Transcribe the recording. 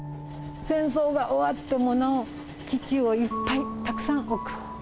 戦争が終わってもなお基地をいっぱい、たくさん置く。